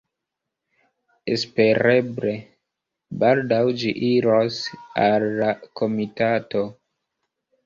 Espereble baldaŭ ĝi iros al la komitato.